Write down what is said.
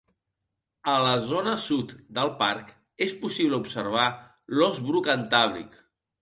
A la zona sud del parc és possible observar l'ós bru cantàbric.